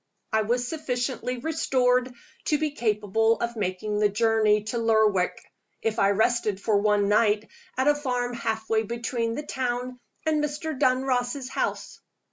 I was sufficiently restored to be capable of making the journey to Lerwick, if I rested for one night at a farm half way between the town and Mr. Dunross's house.